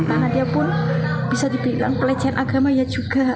karena dia pun bisa dibilang pelecehan agama ya juga